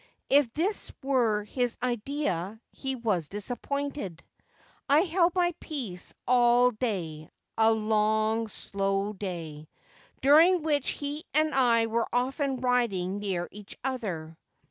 If this were his idea he was disappointed. I held my peace all day — a long, slow day — during which he and I were often riding near each other.